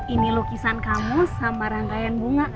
ini lukisan kamu sama rangkaian bunga